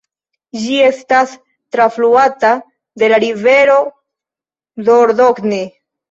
Ĝi estas trafluata de la rivero Dordogne.